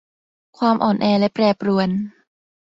ความอ่อนแอและแปรปรวน